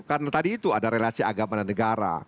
karena tadi itu ada relasi agama dan negara